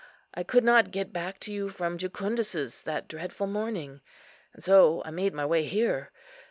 I could not get back to you from Jucundus's that dreadful morning, and so I made my way here.